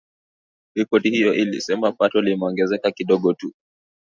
Ripoti hiyo ilisema pato limeongezeka kidogo tu